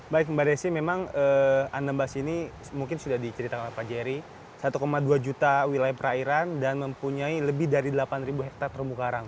baik mbak desi memang anambas ini mungkin sudah diceritakan oleh pak jerry satu dua juta wilayah perairan dan mempunyai lebih dari delapan hektare terumbu karang